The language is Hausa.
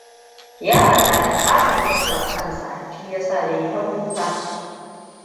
Yaron na da ƙaton tabo a kansa. Shi ya sa ya yi ta kuka!